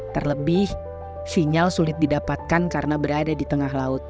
terlebih sinyal sulit didapatkan karena berada di tengah laut